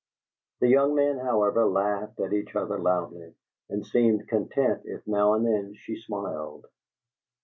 The young men, however, laughed at each other loudly, and seemed content if now and then she smiled.